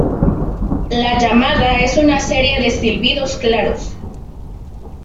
La llamada es una serie de silbidos claros.